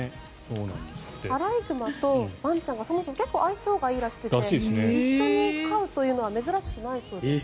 アライグマとワンちゃんがそもそも結構相性がいいらしくて一緒に飼うというのは珍しくないそうです。